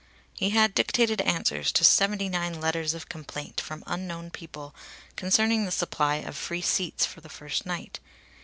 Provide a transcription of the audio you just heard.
He had dictated answers to seventy nine letters of complaint from unknown people concerning the supply of free seats for the first night.